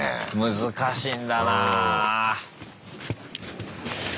難しいんだなぁ。